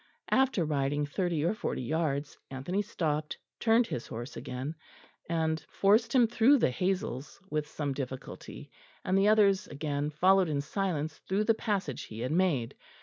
After riding thirty or forty yards, Anthony stopped, turned his horse again, and forced him through the hazels with some difficulty, and the others again followed in silence through the passage he had made.